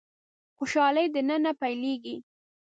خوشالي له د ننه پيلېږي.